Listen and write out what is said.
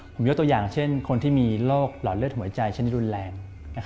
ผมยกตัวอย่างเช่นคนที่มีโรคหลอดเลือดหัวใจเช่นรุนแรง